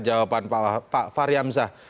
jawaban pak faryamzah